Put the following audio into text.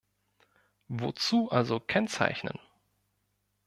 Wozu also kennzeichnen?